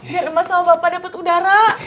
biar emas sama bapak deput udara